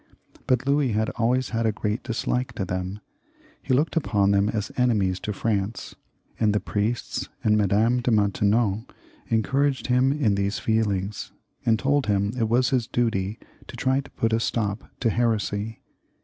But Louis had always had a great dislike to them. He looked upon them as enemies to France, and the priests and Madame de Maintenon encouraged him in these feelings, and told him it was his duty to try to put a stop to heresy.